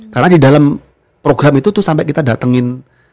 karena di dalam program itu tuh sampai kita datengin